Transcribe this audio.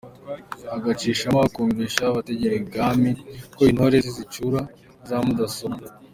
Agacishamo akumvisha abategera i bwami ko intore ze zicura za mudasobwa.